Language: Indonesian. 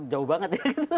jauh banget ya